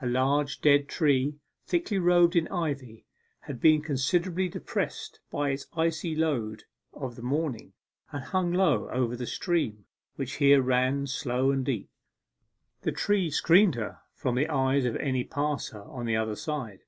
A large dead tree, thickly robed in ivy, had been considerably depressed by its icy load of the morning, and hung low over the stream, which here ran slow and deep. The tree screened her from the eyes of any passer on the other side.